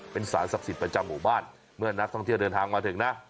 เป็นสารศักดิ์สิทธิ์ประจำหมู่บ้านเมื่อนักท่องเที่ยวเดินทางมาถึงนะ